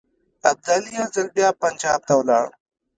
ابدالي یو ځل بیا پنجاب ته ولاړ.